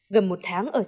gần một tháng ở sài gòn